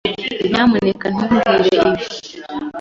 Nyamuneka ntubwire ibi.